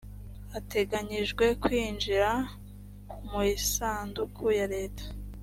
ateganyijwe kwinjira mu isanduku ya leta.